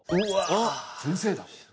あっ先生だ。